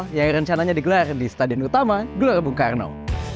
tim yang berada di posisi ketiga klasmen regular series akan bertanding di lombok final